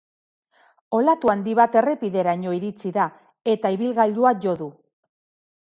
Olatu handi bat errepideraino iritsi da, eta ibilgailua jo du.